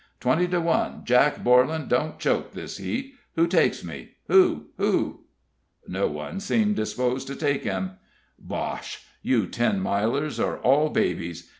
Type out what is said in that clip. "Twenty to one Jack Borlan don't choke this heat! Who takes me? who? who?" No one seemed disposed to take him. "Bosh! you Ten Milers are all babies.